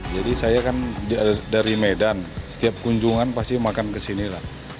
jadi saya kan dari medan setiap kunjungan pasti makan ke sini lah